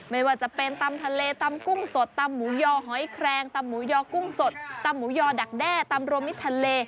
ไม่ว่าจะเป็นตำทะเลตำกุ้งสดตำหมูยอหอยแครงตำหมูยอกุ้งสดตำหมูยอดักแด้ตำรวมมิดทะเล